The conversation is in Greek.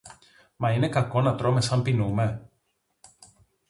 Μα είναι κακό να τρώμε σαν πεινούμε;